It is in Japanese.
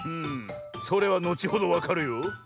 それはのちほどわかるよ。